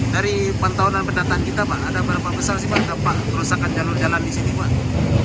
dari pantauan dan pendataan kita ada berapa besar dampak kerusakan jalur jalan di sini